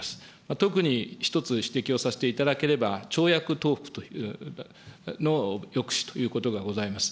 特に１つ指摘をさせていただければ、、抑止ということがございます。